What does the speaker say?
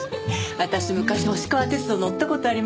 私昔星川鐵道乗った事あります。